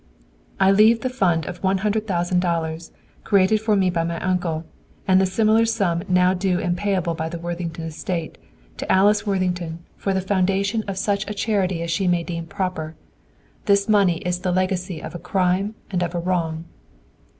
"I leave the fund of one hundred thousand dollars, created for me by my uncle, and the similar sum now due and payable by the Worthington Estate, to Alice Worthington for the foundation of such a charity as she may deem proper. This money is the legacy of a crime and of a wrong!